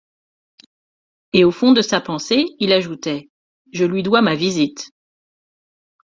Et au fond de sa pensée il ajoutait: Je lui dois ma visite.